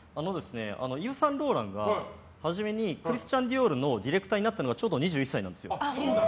イヴ・サンローランが、初めにクリスチャンディオールのディレクターになったのがちょうど２１歳なんですよ。